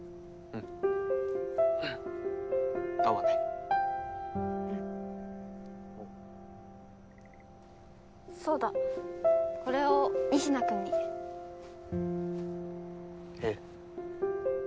うん天音うんそうだこれを仁科君にえっ？